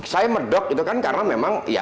saya medok itu kan karena memang ya